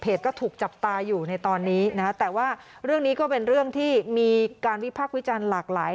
ก็ถูกจับตาอยู่ในตอนนี้นะฮะแต่ว่าเรื่องนี้ก็เป็นเรื่องที่มีการวิพากษ์วิจารณ์หลากหลาย